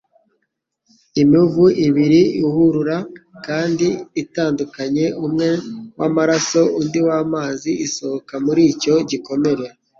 Imivu ibiri ihurura kandi itandukanye, umwe w'amaraso undi w'amazi isohoka muri icyo gikomere.